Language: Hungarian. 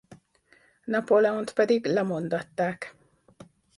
Napóleont pedig lemondatták.